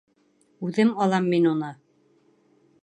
Үҙем алам мин уны.